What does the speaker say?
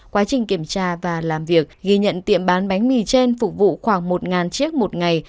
quá trình kiểm tra và làm việc ghi nhận tiệm bán bánh mì trên phục vụ khoảng một chiếc một ngày